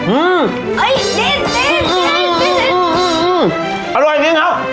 อืมเอ้ยจริงจริงอืมอืมอร่อยจริงครับ